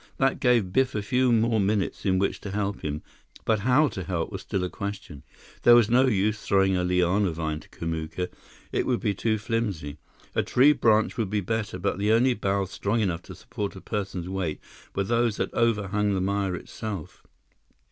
That gave Biff a few more minutes in which to help him; but how to help was still a question. There was no use throwing a liana vine to Kamuka; it would be too flimsy. A tree branch would be better, but the only boughs strong enough to support a person's weight were those that overhung the mire itself.